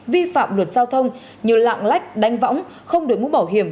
vi phạm luật giao thông như lạng lách đánh võng không đổi mũ bảo hiểm